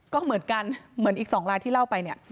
ก็เหมือนกันเหมือนอีก๒ลายที่เล่าไปเนี่ย